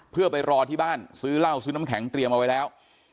เพื่อไปรอที่บ้านซื้อเหล้าซื้อน้ำแข็งเตรียมเอาไว้แล้ว